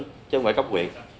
chứ không phải cấp quyền